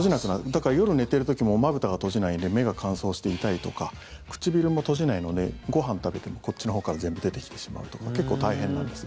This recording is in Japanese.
だから、夜寝てる時もまぶたが閉じないので目が乾燥して痛いとか唇も閉じないのでご飯食べても、こっちのほうから全部出てきてしまうとか結構大変なんです。